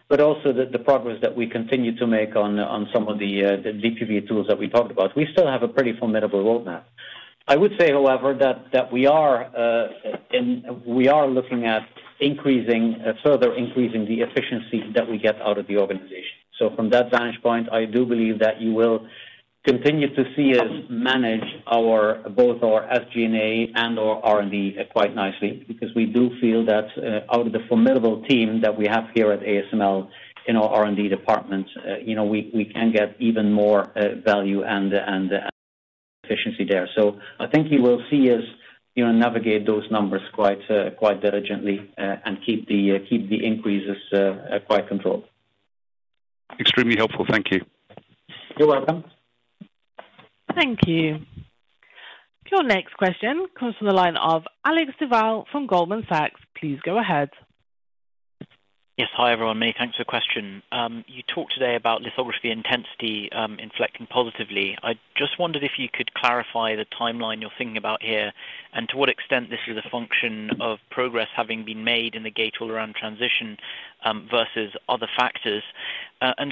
but also the progress that we continue to make on some of the DUV tools that we talked about, we still have a pretty formidable roadmap. I would say, however, that we are looking at further increasing the efficiency that we get out of the organization. From that vantage point, I do believe that you will continue to see us manage both our SG&A and/or R&D quite nicely because we do feel that out of the formidable team that we have here at ASML in our R&D department, we can get even more value and efficiency there. I think you will see us navigate those numbers quite diligently and keep the increases quite controlled. Extremely helpful. Thank you. You're welcome. Thank you. Your next question comes from the line of Alex Duval from Goldman Sachs. Please go ahead. Yes. Hi, everyone. Thanks for the question. You talked today about lithography intensity inflecting positively. I just wondered if you could clarify the timeline you're thinking about here and to what extent this is a function of progress having been made in the gate all around transition versus other factors.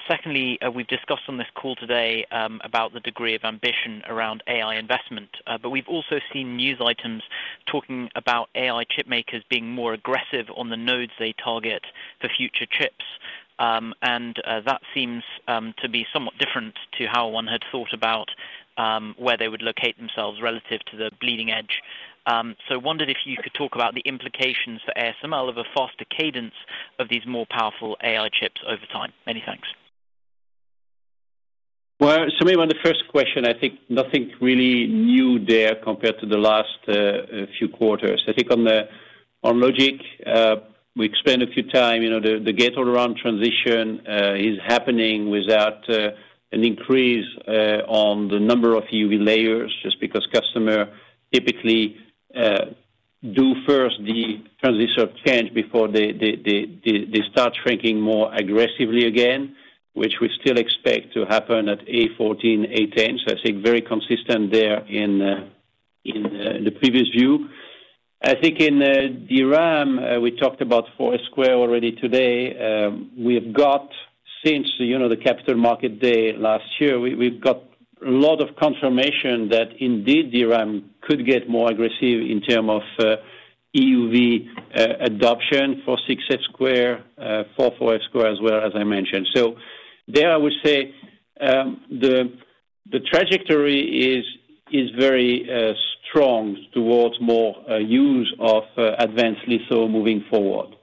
Secondly, we've discussed on this call today about the degree of ambition around AI investment. We've also seen news items talking about AI chipmakers being more aggressive on the nodes they target for future chips. That seems to be somewhat different to how one had thought about where they would locate themselves relative to the bleeding edge. I wondered if you could talk about the implications for ASML of a faster cadence of these more powerful AI chips over time. Many thanks. Maybe on the first question, I think nothing really new there compared to the last few quarters. I think on the logic, we explained a few times, you know, the gate all around transition is happening without an increase on the number of EUV layers just because customers typically do first the transistor change before they start shrinking more aggressively again, which we still expect to happen at A14, A10. I think very consistent there in the previous view. In DRAM, we talked about 4F sq already today. Since the capital market day last year, we've got a lot of confirmation that indeed DRAM could get more aggressive in terms of EUV adoption for 6F sq, for 4F sq as well, as I mentioned. There, I would say the trajectory is very strong towards more use of advanced lithography moving forward.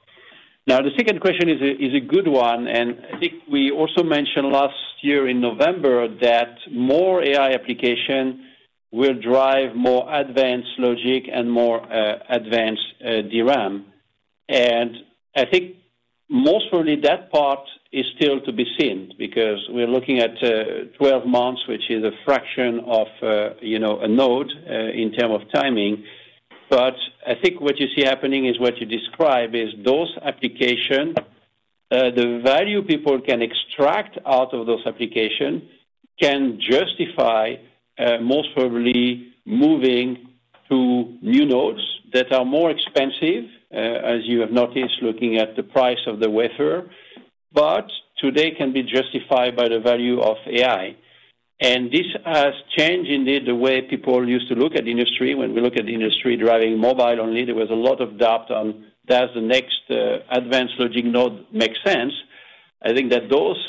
The second question is a good one. I think we also mentioned last year in November that more AI applications will drive more advanced logic and more advanced DRAM. Most probably that part is still to be seen because we're looking at 12 months, which is a fraction of a node in terms of timing. What you see happening is what you describe is those applications, the value people can extract out of those applications can justify most probably moving to new nodes that are more expensive, as you have noticed, looking at the price of the wafer. Today can be justified by the value of AI. This has changed indeed the way people used to look at the industry. When we look at the industry driving mobile only, there was a lot of doubt on does the next advanced logic node make sense. I think that those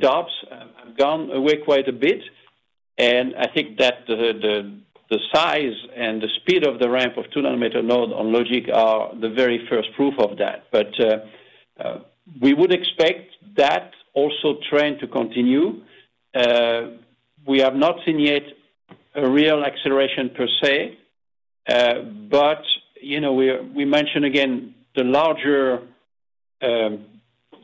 doubts have gone away quite a bit. The size and the speed of the ramp of 2 nm node on logic are the very first proof of that. We would expect that trend to continue. We have not seen yet a real acceleration per se. We mentioned again the larger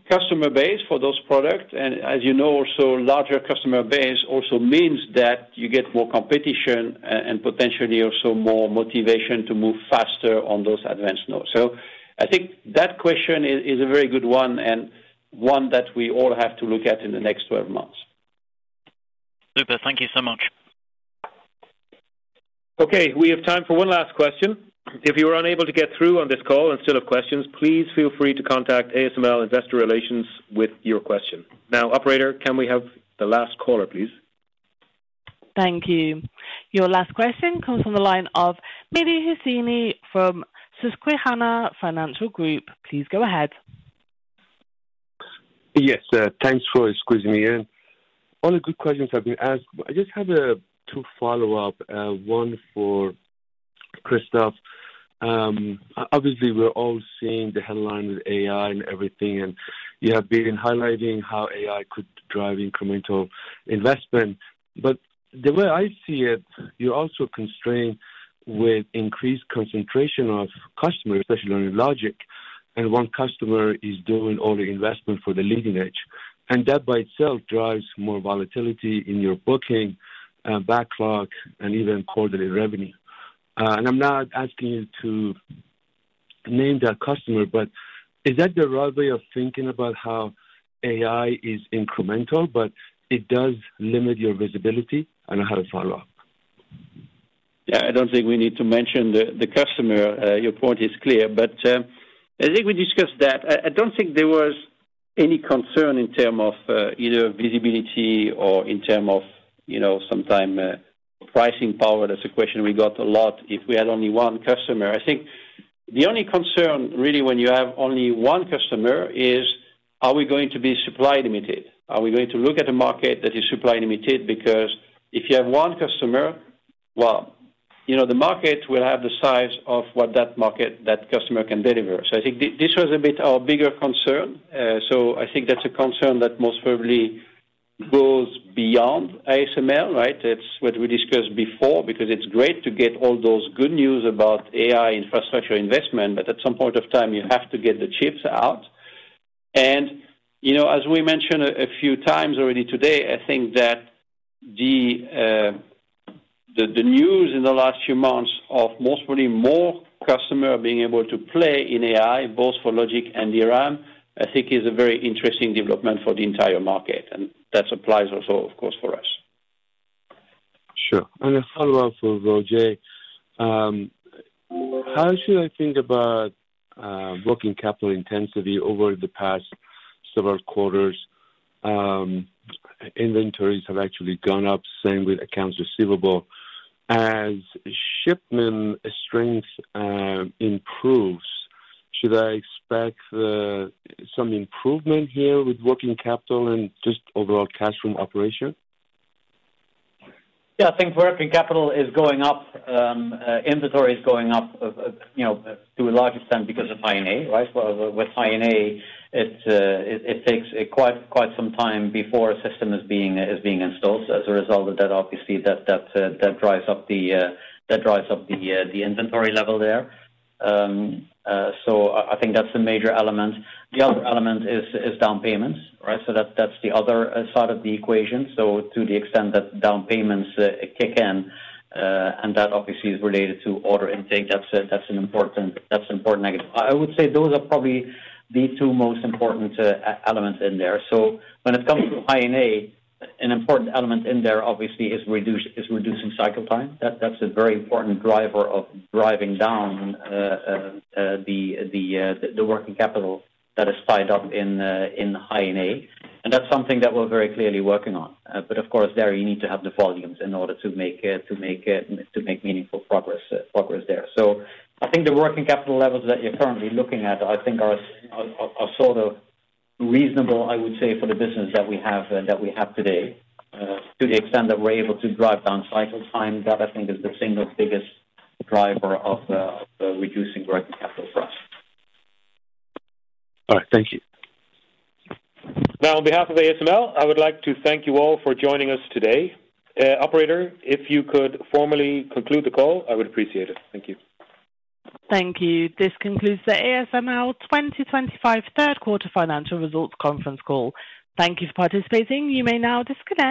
customer base for those products. As you know, also a larger customer base also means that you get more competition and potentially also more motivation to move faster on those advanced nodes. I think that question is a very good one and one that we all have to look at in the next 12 months. Super. Thank you so much. Okay. We have time for one last question. If you were unable to get through on this call and still have questions, please feel free to contact ASML Investor Relations with your question. Now, operator, can we have the last caller, please? Thank you. Your last question comes from the line of Mehdi Hosseini from Susquehanna Financial Group. Please go ahead. Yes. Thanks for excusing me. Only good questions have been asked. I just have two follow-ups. One for Christophe. Obviously, we're all seeing the headlines with AI and everything. You have been highlighting how AI could drive incremental investment. The way I see it, you're also constrained with increased concentration of customers, especially on your logic. One customer is doing all the investment for the leading edge. That by itself drives more volatility in your booking, backlog, and even quarterly revenue. I'm not asking you to name that customer, but is that the right way of thinking about how AI is incremental, but it does limit your visibility? I don't know how to follow up. Yeah. I don't think we need to mention the customer. Your point is clear. I think we discussed that. I don't think there was any concern in terms of either visibility or in terms of, you know, sometimes pricing power. That's a question we got a lot if we had only one customer. I think the only concern really when you have only one customer is, are we going to be supply limited? Are we going to look at a market that is supply limited? Because if you have one customer, you know, the market will have the size of what that market, that customer can deliver. I think this was a bit our bigger concern. I think that's a concern that most probably goes beyond ASML, right? That's what we discussed before because it's great to get all those good news about AI infrastructure investment, but at some point of time, you have to get the chips out. You know, as we mentioned a few times already today, I think that the news in the last few months of most probably more customers being able to play in AI, both for logic and DRAM, I think is a very interesting development for the entire market. That applies also, of course, for us. Sure. A follow-up for Roger. How should I think about working capital intensity over the past several quarters? Inventories have actually gone up, same with accounts receivable. As shipment strength improves, should I expect some improvement here with working capital and just overall cash room operation? Yeah. I think working capital is going up. Inventory is going up to a large extent because of High NA, right? With High NA, it takes quite some time before a system is being installed. As a result of that, obviously, that drives up the inventory level there. I think that's the major element. The other element is down payments, right? That's the other side of the equation. To the extent that down payments kick in, and that obviously is related to order intake, that's an important negative. I would say those are probably the two most important elements in there. When it comes to High NA, an important element in there, obviously, is reducing cycle time. That's a very important driver of driving down the working capital that is tied up in High NA. That's something that we're very clearly working on. Of course, you need to have the volumes in order to make meaningful progress there. I think the working capital levels that you're currently looking at, I think, are sort of reasonable, I would say, for the business that we have today. To the extent that we're able to drive down cycle time, that I think is the single biggest driver of reducing working capital for us. All right. Thank you. Now, on behalf of ASML, I would like to thank you all for joining us today. Operator, if you could formally conclude the call, I would appreciate it. Thank you. Thank you. This concludes the ASML 2025 third quarter financial results conference call. Thank you for participating. You may now disconnect.